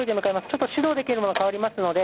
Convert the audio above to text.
ちょっと指導できる者に代わりますので。